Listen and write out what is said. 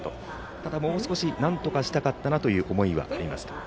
ただ、もう少しなんとかしたかったなという思いはあります。